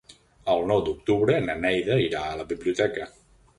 El nou d'octubre na Neida irà a la biblioteca.